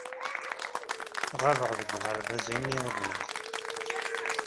Ɣabeɣ deg uɣerbaz imi ay uḍneɣ.